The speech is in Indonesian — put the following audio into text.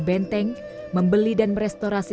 benteng membeli dan merestorasi